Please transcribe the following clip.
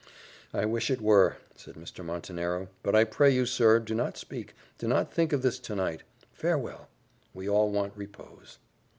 "I wish it were!" said Mr. Montenero; "but I pray you, sir, do not speak, do not think of this to night farewell! we all want repose."